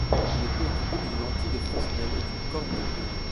Il était équipé d'une lentille de Fresnel et d'une corne de brume.